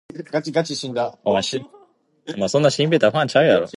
Murray House was one of the oldest surviving public buildings in Hong Kong.